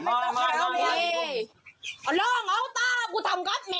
โดยว่าอย่าต้องดู